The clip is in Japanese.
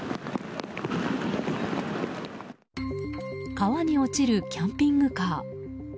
川に落ちるキャンピングカー。